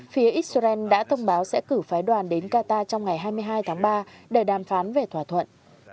phía israel đã thông báo sẽ cử phái đoàn đến qatar trong ngày hai mươi hai tháng ba để đàm phán về thỏa thuận